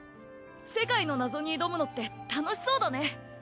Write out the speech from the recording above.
世界の謎に挑むのって楽しそうだね。